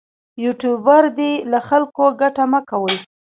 یوټوبر دې له خلکو ګټه مه کوي.